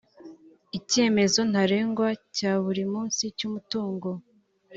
icyemezo ntarengwa cya buri munsi cy umutungo